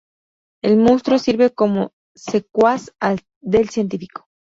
El monstruo sirve como secuaz del científico.